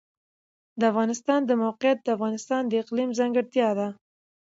د افغانستان د موقعیت د افغانستان د اقلیم ځانګړتیا ده.